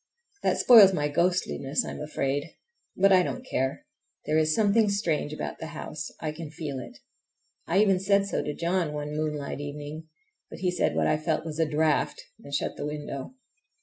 That spoils my ghostliness, I am afraid; but I don't care—there is something strange about the house—I can feel it. I even said so to John one moonlight evening, but he said what I felt was a draught, and shut the window.